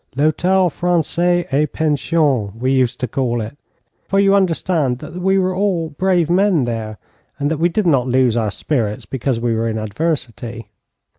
'L'hôtel Français, et Pension,' we used to call it, for you understand that we were all brave men there, and that we did not lose our spirits because we were in adversity.